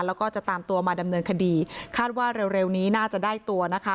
แล้วก็จะตามตัวมาดำเนินคดีคาดว่าเร็วนี้น่าจะได้ตัวนะคะ